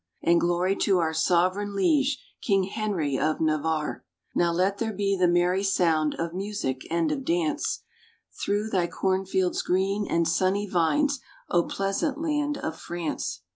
And glory to our Sovereign Liege, King Henry of Navarre! Now let there be the merry sound of music and of dance, Through thy corn fields green, and sunny vines, oh pleasant land of France!